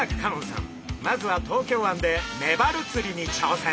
まずは東京湾でメバル釣りに挑戦！